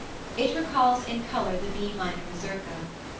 It recalls in color the B minor mazurka.